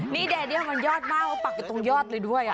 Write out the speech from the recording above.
นี่แดเดียลมันยอดมากว่าปักอยู่ตรงยอดเลยด้วย